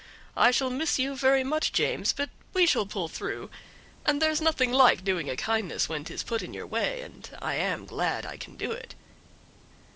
I shall miss you very much, James, but we shall pull through, and there's nothing like doing a kindness when 'tis put in your way, and I am glad I can do it."